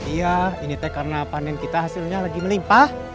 iya ini teh karena panen kita hasilnya lagi melimpah